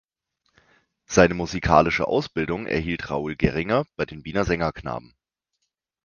Seine musikalische Ausbildung erhielt Raoul Gehringer bei den Wiener Sängerknaben.